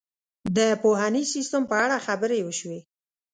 د پوهنیز سیستم په اړه خبرې وشوې.